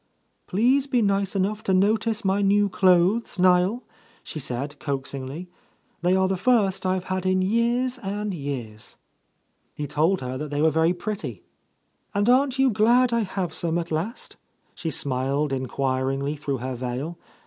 "Please be nice enough to notice my new clothes, Niel," she said coax ingly. "They are the first I've had in years and years." He told her Aey were very pretty. "And aren't you glad I have some at last?" she smiled enquiringly through her veil.